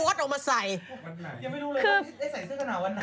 ยังไม่รู้เลยว่าพี่จะได้ใส่เสื้อหนาววันไหน